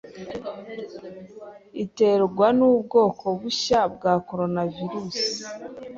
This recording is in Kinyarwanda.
iterwa n'ubu bwoko bushya bwa coronavirus,